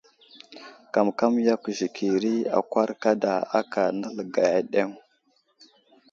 Kamkam yakw zəkiri akwar kaɗa aka nələgay aɗeŋ.